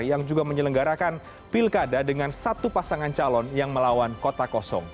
yang juga menyelenggarakan pilkada dengan satu pasangan calon yang melawan kota kosong